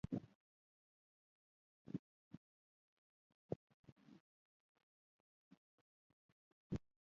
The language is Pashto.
پټاټې زموږ په خوړو کښي د ګټورو سبزيجاتو له ډلي څخه دي.